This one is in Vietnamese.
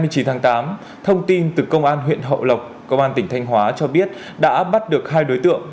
ngày chín tháng tám thông tin từ công an huyện hậu lộc công an tỉnh thanh hóa cho biết đã bắt được hai đối tượng